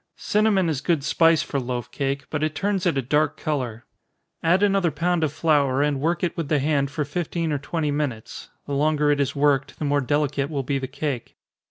Cinnamon is good spice for loaf cake, but it turns it a dark color. Add another pound of flour, and work it with the hand for fifteen or twenty minutes. (The longer it is worked, the more delicate will be the cake.)